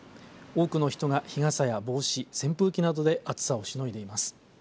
多くの人が日傘や帽子扇風機などで暑さをしのいでます。